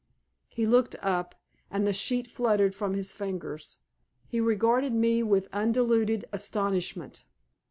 He looked up, and the sheet fluttered from his fingers. He regarded me with undiluted astonishment.